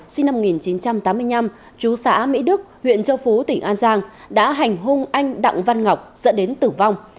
sinh năm một nghìn chín trăm tám mươi năm chú xã mỹ đức huyện châu phú tỉnh an giang đã hành hung anh đặng văn ngọc dẫn đến tử vong